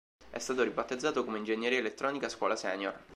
È stato ribattezzato come Ingegneria Elettrica Scuola Senior.